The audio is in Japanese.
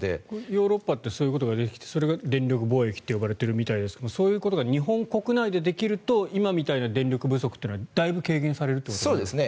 ヨーロッパってそういうことができてそれが電力貿易と呼ばれているみたいですがそういうことが日本国内でできると今みたいな電力不足は、だいぶ軽減されるということですか。